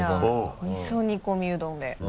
じゃあ味噌煮込みうどんで。